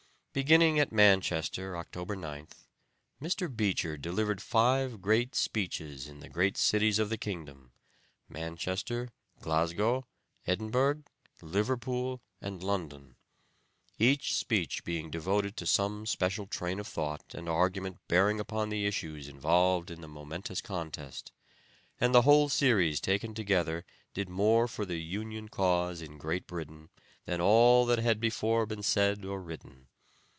Beginning at Manchester, October 9th, Mr. Beecher delivered five great speeches in the great cities of the kingdom, Manchester, Glasgow, Edinburgh, Liverpool and London, each speech being devoted to some special train of thought and argument bearing upon the issues involved in the momentous contest; and the whole series taken together did more for the Union cause in Great Britain than all that had before been said or written.